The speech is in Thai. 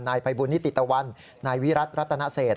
นายไพบุณิติตวรรณนายวิรัตน์รัตนาเศษ